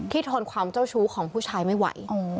ทนความเจ้าชู้ของผู้ชายไม่ไหว